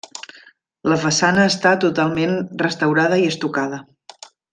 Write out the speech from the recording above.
La façana està totalment restaurada i estucada.